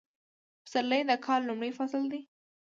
پسرلی د کال لومړی فصل دی